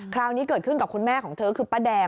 คราวนี้เกิดขึ้นกับคุณแม่ของเธอคือป้าแดง